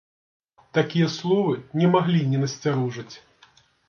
Такія словы не маглі не насцярожыць.